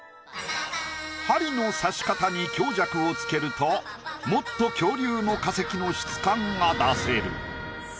針の刺し方に強弱をつけるともっと恐竜の化石の質感が出せる。